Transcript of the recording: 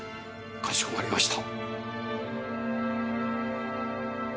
かしこまりました。